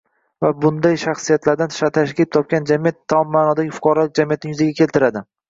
va bunday shaxsiyatlardan tashkil topgan hamjamiyat tom ma’nodagi fuqarolik jamiyatini yuzaga keltiradi.